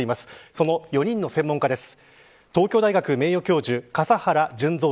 その４人の専門家です。